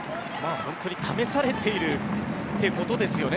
本当に試されているということですよね。